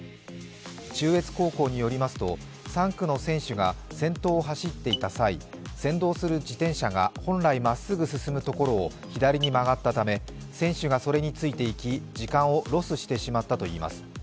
中越高校によりますと、３区の選手が先頭を走っていた際、先導する自転車が本来まっすぐ進むところを左に曲がったため、選手がそれについていき時間をロスしてしまったということです。